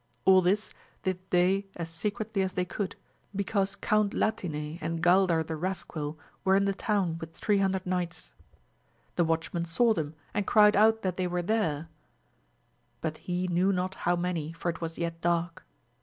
All this did they as secretly as they could, because Count Latine and Gaidar de Eascuil were in the town with three hundred knights. The watchman 168 AMADIS OF GAUL. saw them, and cried out that they were there, but he knew not how many, for it was yet dark.